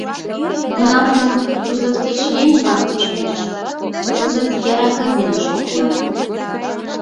— Кунам гын, кузов тич еҥ-влакым шында, кызыт яра кабиныш ок нал.